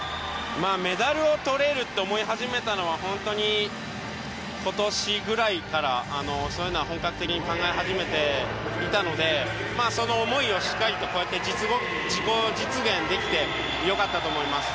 メダルをとれると思い始めたのは本当に、今年ぐらいからそういうのは本格的に考え始めていたのでその思いをしっかりと自己実現できて良かったと思います。